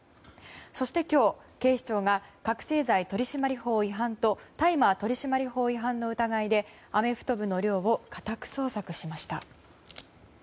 そして今日警視庁が覚醒剤取締法違反と大麻取締法違反の疑いでアメフト部の寮を家宅捜索しました。